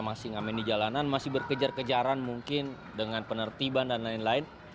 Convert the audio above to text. masih ngamen di jalanan masih berkejar kejaran mungkin dengan penertiban dan lain lain